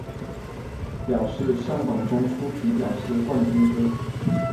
表示上榜中粗体表示冠军歌